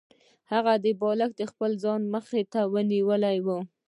هغه بالښت د خپل ځان مخې ته نیولی و